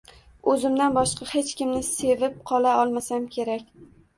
O‘zimdan boshqa hech kimni sevib qola olmasam kerak